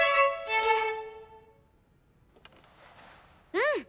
うん！